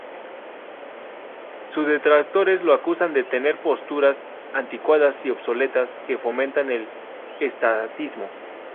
Sus detractores los acusan de tener posturas anticuadas y obsoletas que fomentan el estatismo.